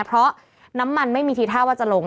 เพราะน้ำมันไม่มีทีท่าว่าจะลง